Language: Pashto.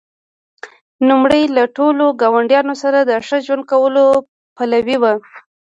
نوموړي له ټولو ګاونډیانو سره د ښه ژوند کولو پلوی و.